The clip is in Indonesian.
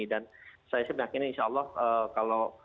dan saya yakin insya allah kalau